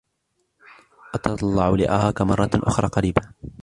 أتطلع لأراكَ مرةً أخرى قريباً.